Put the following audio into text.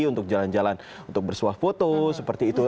untuk jalan jalan untuk bersuah foto seperti itu